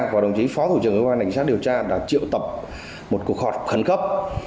và đồng chí phó thủ trưởng cơ quan cảnh sát điều tra đã triệu tập một cuộc họp khẩn cấp